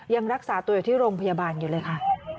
ยังรักษาตัวอยู่ที่โรงพยาบาลอยู่เลยค่ะ